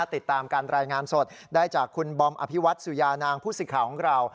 ติดตามการรายงานสดได้จากคุณบอมอภิวัตสุยานางผู้สิทธิ์ข่าวของเรา